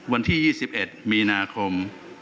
วันที่๒๑มีนาคม